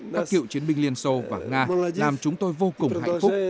các cựu chiến binh liên xô và nga làm chúng tôi vô cùng hạnh phúc